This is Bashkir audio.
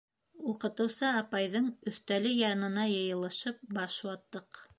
Уҡытыусы апайҙың өҫтәле янына йыйылышып баш ваттыҡ.